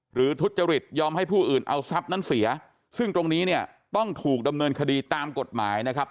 ทุจริตยอมให้ผู้อื่นเอาทรัพย์นั้นเสียซึ่งตรงนี้เนี่ยต้องถูกดำเนินคดีตามกฎหมายนะครับ